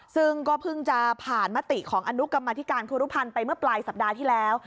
ซึ่งก็เพิ่งจะผ่านมติของอนุกรรมธิการครูรุภัณฑ์ไปเมื่อปลายสัปดาห์ที่แล้ว